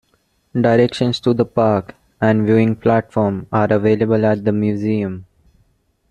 Directions to the park and viewing platform are available at the museum.